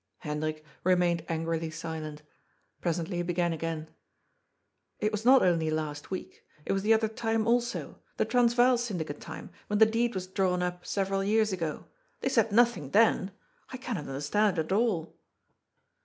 Hendrik remained angrily silent. Presently he began again :" It was not only last week. It was the other time also — the Transvaal Syndicate time, when the deed was drawn up, several years ago. They said nothing then. I cannot understand it at all."